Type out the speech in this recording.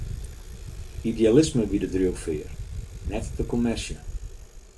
Idealisme wie de driuwfear, net de kommersje.